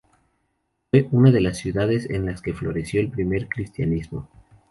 Fue una de las ciudades en las que floreció el primer cristianismo.